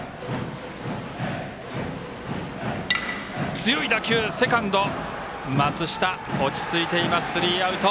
強い打球、セカンド、松下落ち着いています、スリーアウト。